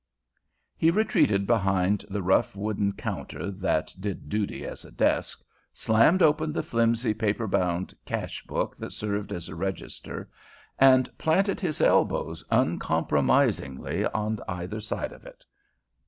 He retreated behind the rough wooden counter that did duty as a desk, slammed open the flimsy, paper bound "cash book" that served as a register, and planted his elbows uncompromisingly on either side of it.